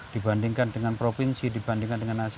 dibandingkan dengan provinsi dibandingkan dengan kabupaten lain